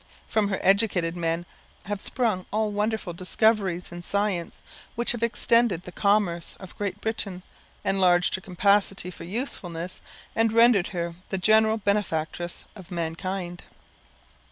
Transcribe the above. From her educated men have sprung all those wonderful discoveries in science, which have extended the commerce of Great Britain, enlarged her capacity for usefulness, and rendered her the general benefactress of mankind.